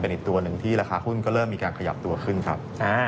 อีกตัวหนึ่งที่ราคาหุ้นก็เริ่มมีการขยับตัวขึ้นครับ